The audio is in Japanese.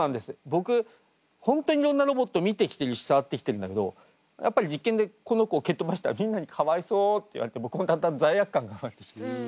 僕本当にいろんなロボットを見てきてるし触ってきてるんだけどやっぱり実験でこの子を蹴っ飛ばしたらみんなに「かわいそう」って言われて僕もだんだん罪悪感が生まれてきて。